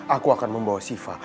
aku akan membawa siva